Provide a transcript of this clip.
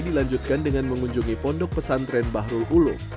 dilanjutkan dengan mengunjungi pondok pesantren bahru ulu